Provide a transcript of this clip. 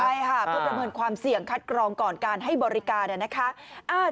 ใช่ผู้ประเมินความเสี่ยงคัดกรองก่อนการให้บริการ